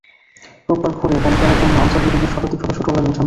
রোববার ভোরে বাড়ি ফেরার জন্য আনসার ভিডিপির শতাধিক সদস্য ট্রলারে ওঠেন।